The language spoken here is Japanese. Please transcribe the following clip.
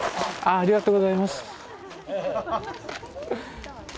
ありがとうございます。